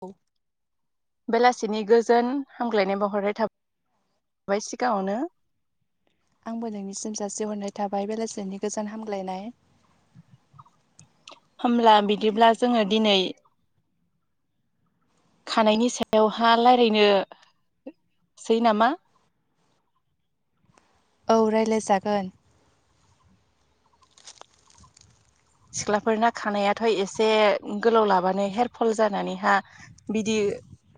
औ। बेलासिनि गोजोन हामग्लायनाय बावहरनाय थाबाय सिगाङावनो। आंबो नोंनिसिम जासिहरनाय थाबाय बेलासिनि गोजोन हामग्लायनाय। होमब्ला बिदिब्ला जोङो दिनै खानायनि सायावहा रायलायनो सै नामा? औ रायलायजागोन। सिख्लाफोरना खानायाथ' एसे गोलाव लाबानो हेरफल जानानैहा बिदि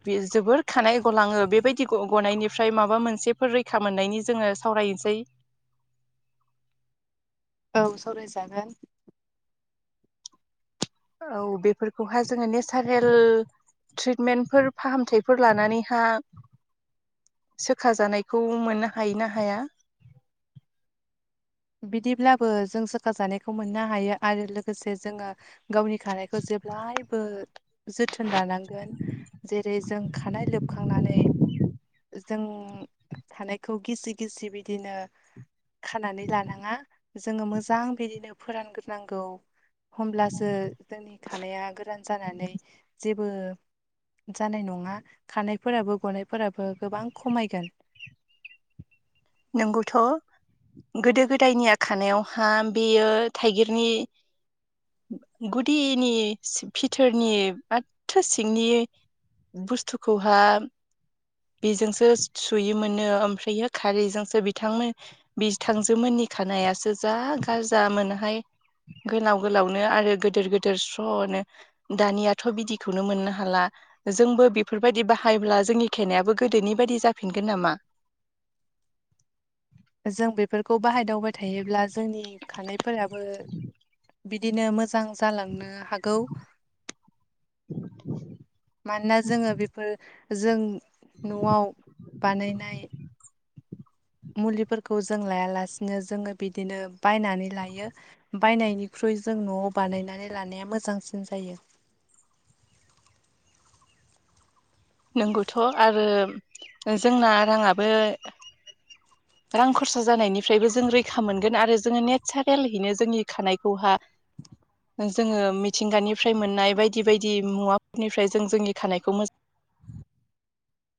बे जोबोर खानाय गलाङो बेबायदि गनायनिफ्राय माबा मोनसेफोर रैखा मोननायनि जोङो सावरायनोसै। औ सरायजागोन। औ बेफोरखौहाय जोङो नेसारेल ट्रिटमेन्टफोर फाहामथायफोर लानानैहा सोखा जानायखौ मोननो हायोना हाया? बिदिब्लाबो जों सोखा जानायखौ मोननो हायो आरो लोगोसे जोङो गावनि खानायखौ जेब्लायबो जोथोन लानांगोन। जेरै जों खानाय लोबखांनानै जों खानायखौ गिसि गिसि बिदिनो खानानै लानाङा जोङो मोजां बिदिनो फोरानग्रोनांगौ होमब्लासो जोंनि खानाया गोरान जानानै जेबो जानाय नङा खानायफोराबो गनायफोराबो गोबां खमायगोन। नोंगौथ'। गोदो गोदायनि खानायावहा बेयो थाइगिरनि गुदिनि सि भिथोरनि माथो सिंनि बुस्थुखौहा बेजोंसो सुयोमोनो ओमफ्रायो खारैजोंसो बिथांमोन बिथांजोमोननि खानायासो जा गाजा मोनहाय। गोलाव गोलावनो आरो गोदोर गोदोर स्र'नो। दानियाथ' बिदिखौनो मोननो हाला। जोंबो बेफोरबायदि बाहायोब्ला जोंनि खेनायाबो गोदोनि बायदि जाफिनगोन नामा? जों बेफोरखौ बाहायदावबाय थायोब्ला जोंनि खानायफोराबो बिदिनो मोजां जालांनो हागौ। [inaudible] मानोना जोङो बेफोर जों न'आव बानायनाय मुलिफोरखौ जों लायालासिनो जोङो बिदिनो बायनानै लायो। बायनायनिख्रुइ जों न'आव बानायनानै लानाया मोजांसिन जायो। नोंगौथ' आरो जोंना राङाबो [inaudible] रां खरसा जानायनिफ्रायबो जों रैखा मोनगोन आरो जोङो नेसारेलहैनो जोंनि खानायखौहा जोङो मिथिंगानिफ्राय मोननाय बायदि बायदि मुवाफोरनिफ्राय जों जोंनि खानायखौ मोज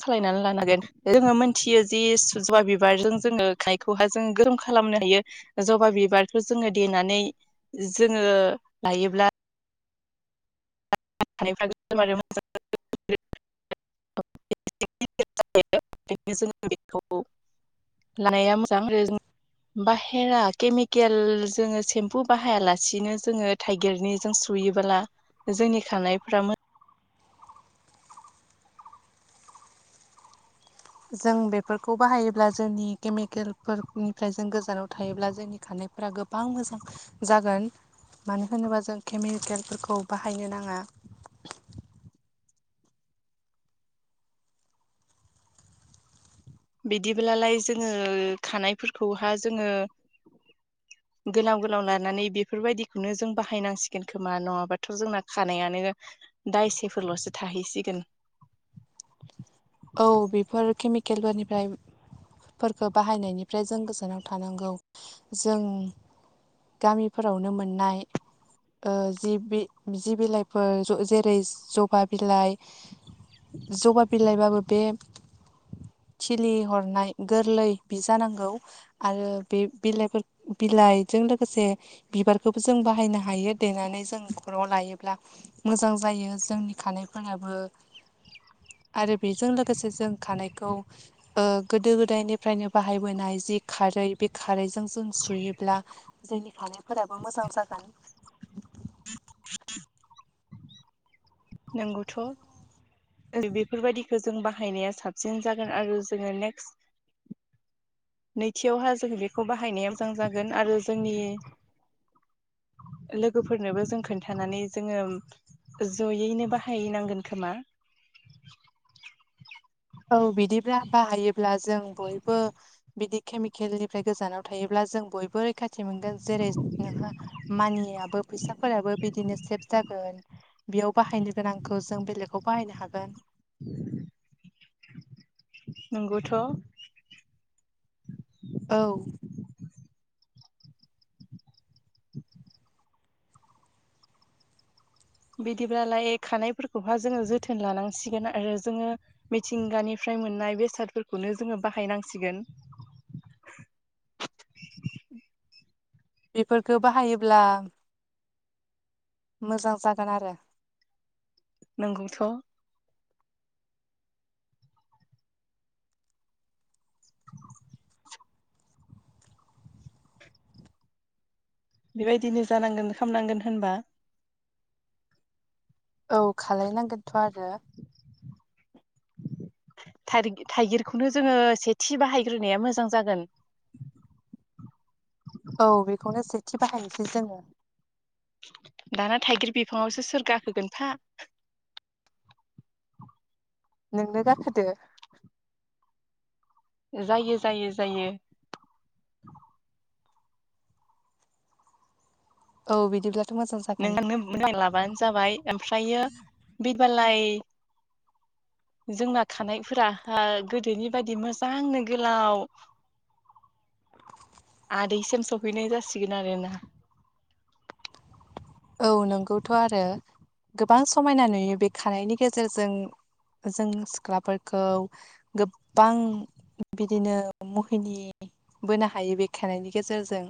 खालायनानै लानो हांगोन जोङो मोनथियो जि सुजुवा बिबारजों जोङो खानायखौहा जोङो गोरोम खालामनो हायो जबा बिबारखौ जोङो देनानै जोङो लायोब्ला फ गो मो [unintelligible] लानाया मोजां आरो बाहेरा केमिकेल जोङो सेम्पु बाहायालासिनो जोङो थाइगिरनिजों सुयोबोला जोंनि खनायफ्रा जों बेफोरखौ बाहायोब्ला जोंनि केमिकेलफोरनिफ्राय जों गोजानाव थायोब्ला जोंनि खारनाय फोर गोबां मोजां जागोन मानो होनोबा जों केमिकेलफोरखौ बाहायनो नाङा बिदिब्लालाय जोङो खानायफोरखौहा जोङो [inaudible] गोलाव गोलाव लानानै बेफोरबायदिखौनो जों बाहायनांसिगोन खोमा नङाबाथ' जोंना खानायानो दायसेफोरल'सो थाहैसिगोन औ बेफोर केमिकेलफोरनिफ्राय फोरखौ बाहायनायनिफ्राय जों गोजानाव थानांगौ जों गामिफोरावनो मोननाय ओ जि जि बिलाइफोर जेरै जबा बिलाइ जगा बिलाइबाबो बे खिलि हरनाय गोरलै बि जानांगौ आरो बे बिलाइफोर बिलाइजों लोगोसे बिबारखौबो जों बाहायनो हायो देनानै जों न'खराव लायोब्ला मोजां जायो जोंनि खानायफोराबो आरो बे जों लोगोसे जों खानायखौ ओ गोदो गोदायनिफ्रायनो बाहायबोनाय जि खारै बे खारैजों जों सुयोब्ला जोंनि खानायफोराबो मोजां जागोन नोंगौथ' बेफोरबायदिखौ जों बाहायनाया साबसिन जागोन आरो जोङो नेक्स्ट नैथियावहा जोङो बेखौ बाहायनाया मोजां जागोन आरो जोंनि लोगोफोरनोबो जों खोन्थानानै जोङो जय यैनो बाहायनांगोन खोमा औ बिदिब्ला बाहायोब्ला जों बयबो बिदि केमिकेलनिफ्राय गोजानाव थायोब्ला जों बयबो रैखाथि मोनगोन जेरै नोंहा मानियाबो फैसाफोराबो बिदिनो सेभ जागोन। बेयाव बाहायनो गोनांखौ जों बेलेगाव बाहायनो हागोन। [inaudible] नंगौथ' [inaudible] औ बिदिब्लाालाय खानायफोरखौह जोङो जोथोन लानांसिगोन आरो जोङो मिथिंगानिफ्राय मोननाय बेसादफोरखौनो जोङो बाहायनांसिगोन बेफोरफोरखौो बाहायोब्ला मोजां जागोन आरो। नंगौथ' [inaudible] बेबायदिनो जानांगोन खालामनांगोन होनबा औ खालामलायनांगोनथ' आरो थ थाइगिरखौनो जोङो सेथिि बाहायग्रोनाया मोजां जागोन औ बेखौनो सेथि बाहायनोसै जोङो। दाना थाइगिर बिफाङावसो सोर गाखोगोनफा नोंनो गाखोदो जायो जायो जायो औ बिदिब्ला नोंनो [unintelligible] लाबानो जाबाय ओमफ्रायो बेबालाय जोंना खानायफोरा ओ गोदोनि बायदि मोजांनो गोलाव [inaudible] आदैसिम सफैनाय जासिगोन आरोना। औ नोंगौथ' आरो गोबां समायना नुयो बे खानायनि गेजेरजों जों सिख्लाफोरखौ गोबां बिदिनो महिनि बोनो हायो बे खेराइनि गेजेरजों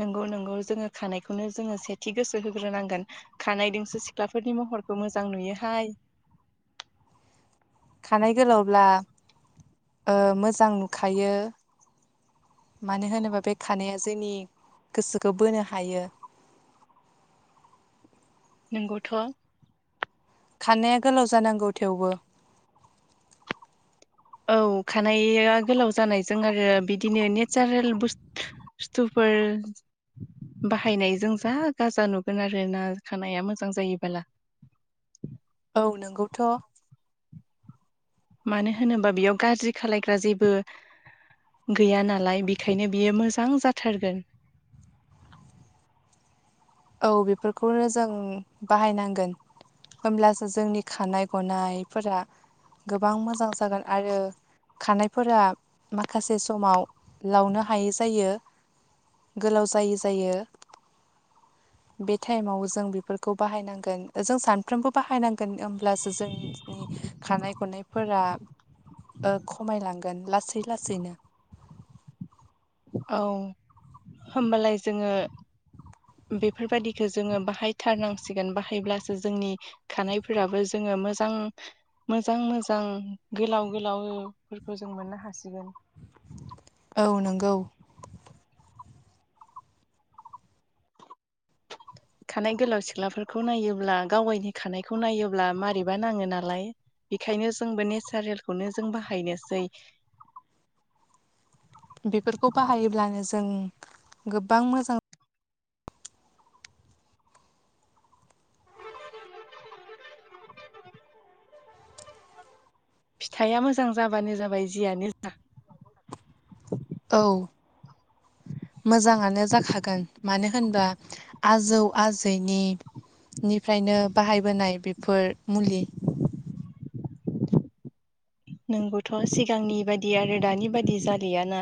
नोंगौ नोंगौ जोङो खानायखौनो जोङो सेथि गोसो होग्रोनांगोन खानायदोंसो सिख्लाफोरनि महरखौ मोजां नुयोहाय खानाय गोलावब्ला ओ मोजां नुखायो मानो होनोबा बे खानाया जोंनि गोसोखौ बोनो हायो। नोंगौथ'। खारनाया गोलाव जानांगौ थेवबो। औ खानाया गोलाव जानायजों आरो बिदिनो नेचारेल बुस्थु बस्थुफोर बाहायनायजों जा गाजा नुगोन आरो ना खानाया मोजां जायोबाला। औ नोंगौथ'। मानो होनोबा बेयाव गाज्रि खालायग्रा जेबो गैया नालाय बेखायनो बियो मोजां जाथारगोन। औ बेफोरखौनो जों बाहायनांगोन। होमब्लासो जोंनि खानाय गनायफोरा गोबां मोजां जागोन आरो खानायफोरा माखासे समाव लावनो हायै जायो। गोलाव जायि जायो। बे टाइमाव जों बेफोरखौ बाहायनांगोन जों सानफ्रोमबो बाहायनांगोन होमब्लासो जों नि खानाय गनायफोरा ओ खमायलांगोन लासै लासैनो। औ होनबालाय जोङो बेफोरबायादिखौ जोङो बाहायथारनांसिगोन बाहायब्लासो जोंनि खानायफोराबो जोङो मोजां मोजां मोजां गोलाव गोलावफोरखौ जों मोननो हासिगोन। औ नोंगौ। खानाय गोलाव सिख्लाफोरखौ नायोब्ला गावायनि खानायखौ नायोब्ला मारैबा नाङो नालाय। बेखायनो जोंबो नेसारेलखौनो जों बाहायनोसै। बेफोरखौ बाहायोब्लानो जों गोबां मोजां [unintelligible] फिथाइया मोजां जाबानो जाबाय जियानो जा। औ मोजाङानो जाखागोन मानो होनबा आजौ आजैनि निफ्रायनो बाहायबोनाय बेफोर मुलि नोंगौथ' सिगांनि बायदि आरो दानि बायदि जलियाना।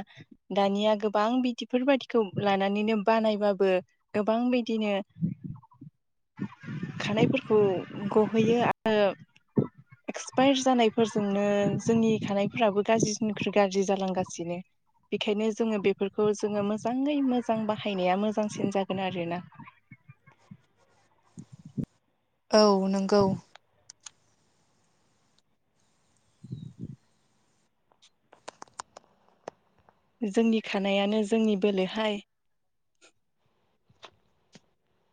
दानिया गोबां बिदिफोर बायदिखौ लानानैनो बानायबाबो गोबां बिदिनो खानायफोरखौ गहैयो आरो एक्सपायार जानायफोरजोंनो जोंनि खानायफोराबो गाज्रिनिख्रुइ गाज्रि जालांगासिनो। बेखायनो जोङो बेफोरखौ जोङो मोजाङै मोजां बाहायनाया मोजांसिन जागोन आरोना। औ नंगौ। [inaudible] जोंनि खानायानो जोंनि बोलोहाय।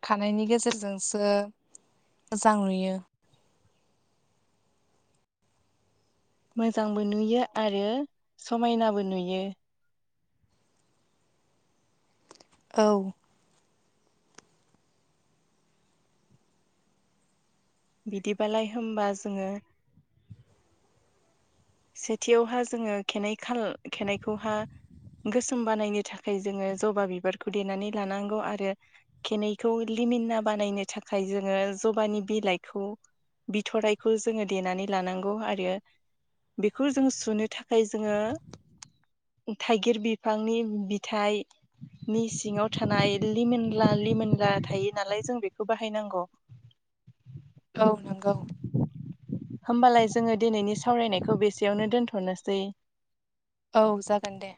खानायनि गेजेरजोंसो मोजां नुयो। मोजांबो नुयो आरो समायनाबो नुयो औ बिदिबालाय होनोमबा जोंङो सेथियावहा जोंङो खाइनै खा खनायाइखौहा गोसोम बानायनो थाखाय जोंङो जबा बिबारखौ देनानै लानांगौ आरो खेनैखौ लिमिनना बानायनो थाखाय जोंङो जबानि बिलाइखौ बिथररायखौ जोंङो देनानै लानांगौ आरो बेखौ जों सुनो थाखाय जोंङो थाइगिर बिफांनि बिथाइ नि सिंङाव थानाय लिमोनला लिमोनला थायो नालाय जों बेखौ बाहायनांगौ। औ नंगौ। होमबालाय जोंङो दिनैनि सावरायनायखौ बेसेयावनो दोनथ'नोसै। औ जागोन दे।